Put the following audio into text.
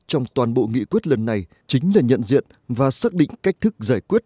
trong toàn bộ nghị quyết lần này chính là nhận diện và xác định cách thức giải quyết